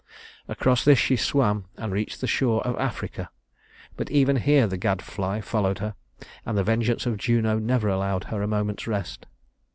Across this she swam and reached the shore of Africa; but even here the gadfly followed her, and the vengeance of Juno never allowed her a moment's rest.